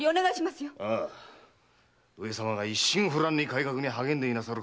上様が一心不乱に改革に励んでいなさる